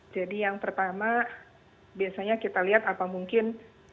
jadi yang pertama biasanya kita lihat apa mungkin